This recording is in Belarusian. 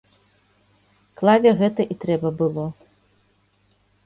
Клаве гэта і трэба было.